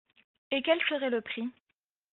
Et quel serait le prix ?